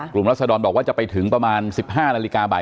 กลุ่มรัฐธรรมบอกว่าจะไปถึงประมาณ๑๕นบ่าย๓